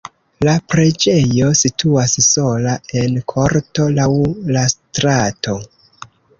La preĝejo situas sola en korto laŭ la strato.